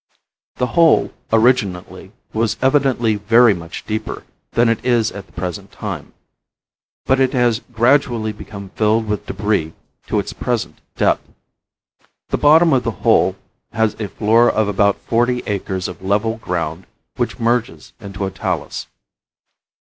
The hole, originally, was evidently very much deeper than it is at the present time, but it has gradually become filled with debris to its present depth. The bottom of the hole has a floor of about forty acres of level ground which merges into a talus.